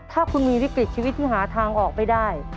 ถ้าคุณมีวิกฤตชีวิตที่หาทางออกไม่ได้